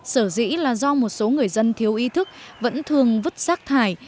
sở dĩ là do một số người dân thiếu ý thức vẫn thường vứt rác thải